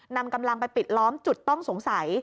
นำกำลังไปปิดล้อมจุดต้องสงสัย